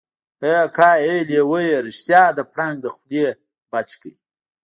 ای اکا ای لېوه يې رښتيا د پړانګ د خولې نه بچ کړی.